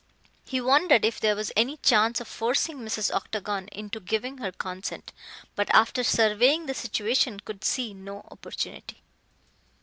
He wondered if there was any chance of forcing Mrs. Octagon into giving her consent, but after surveying the situation could see no opportunity.